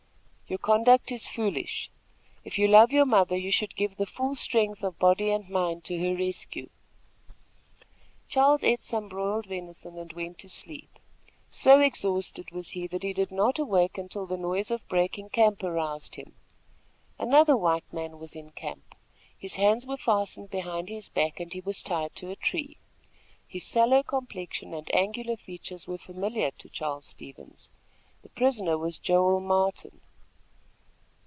"Your conduct is foolish. If you love your mother, you should give the full strength of body and mind to her rescue." Charles ate some broiled venison and went to sleep. So exhausted was he, that he did not awake until the noise of breaking camp aroused him. Another white man was in camp. His hands were fastened behind his back and he was tied to a tree. His sallow complexion and angular features were familiar to Charles Stevens. The prisoner was Joel Martin.